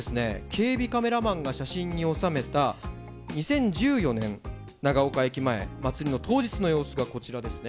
警備カメラマンが写真に収めた２０１４年長岡駅前祭りの当日の様子がこちらですね。